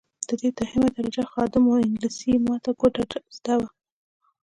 دی دوهمه درجه خادم وو انګلیسي یې ماته ګوډه زده وه.